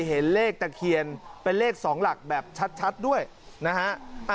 เห็นเลขตะเคียนเป็นเลข๒หลักแบบชัดด้วยนะฮะ